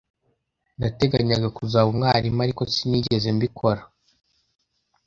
Nateganyaga kuzaba umwarimu, ariko sinigeze mbikora.